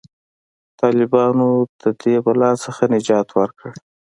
طالبانو د دې بلا څخه نجات ورکړ.